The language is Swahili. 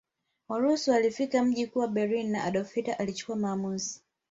Warusi walifika mji mkuu wa Berlini na Adolf Hitler alichukua maamuzi